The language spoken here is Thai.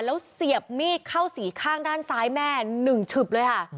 แล้วเสียบมีดเข้าสีข้างด้านซ้ายแม่๑ฉึบเลยค่ะ